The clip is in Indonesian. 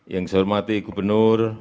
yang saya hormati gubernur